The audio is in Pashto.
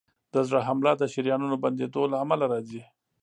د زړه حمله د شریانونو بندېدو له امله راځي.